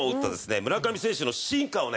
村上選手の進化をね